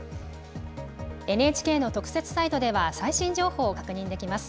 ＮＨＫの特設サイトでは最新情報を確認できます。